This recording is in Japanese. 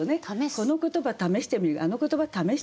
この言葉試してみるあの言葉試してみる。